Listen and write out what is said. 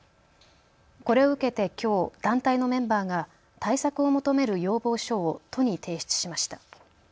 これを受けてきょう団体のメンバーが対策を求める要望書を都に提出しました。